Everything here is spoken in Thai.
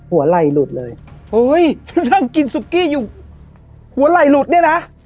หัวไหล่หลุดเลยเฮ้ยนั่งกินซุกี้อยู่หัวไหล่หลุดเนี่ยนะ